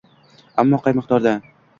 Ammo qay miqdorda?